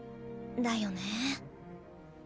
だよねえ。